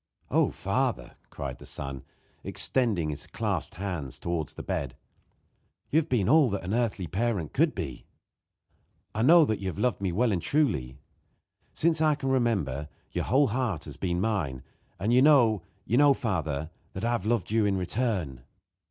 "Oh, my father!" cried the son, extending his clasped hands towards the bed. "You have been all that an earthly parent could be. I know you have loved me well and truly. Since I can remember your whole heart has been mine; and you know, you know, father, that I have loved you in return."